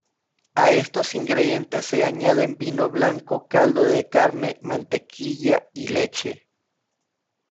A estos ingredientes se añaden vino blanco, caldo de carne, mantequilla y leche.